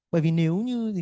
bởi vì nếu như